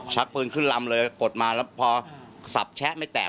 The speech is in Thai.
ปืนขึ้นลำเลยกดมาแล้วพอสับแชะไม่แตก